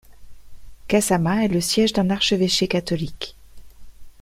Kasama est le siège d'un archevêché catholique.